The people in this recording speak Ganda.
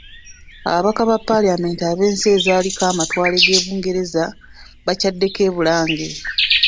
Ababaka ba Paalamenti ab'ensi ezaaliko amatwale ga Bungereza bakyaddeko e Bulange.